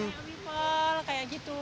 kayak wipol kayak gitu